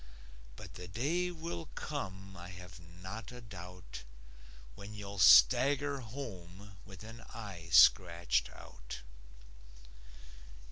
But the day will come, I have not a doubt, When you'll stagger home with an eye scratched out.